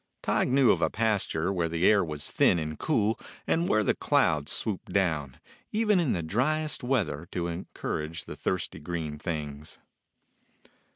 Tige knew of a pasture where the air was thin and cool and where the clouds swooped down, even in the driest weather, to encour age the thirsty green things.